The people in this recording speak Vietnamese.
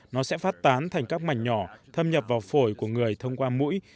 nó sẽ phát tán thành các mảnh nhỏ thâm nhập vào phổi của người thông qua mũi